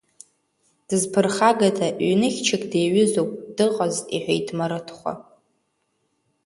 Дызԥырхагада, ҩныхьчак диҩызоуп, дыҟаз, – иҳәеит Марыҭхәа.